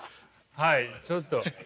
はいちょっと。